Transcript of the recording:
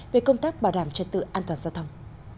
về công tác bảo đảm trật tự an toàn giao thông